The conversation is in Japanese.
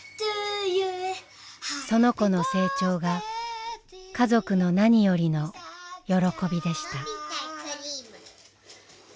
その子の成長が家族の何よりの喜びでした。